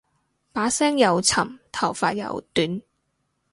把聲又沉頭髮又短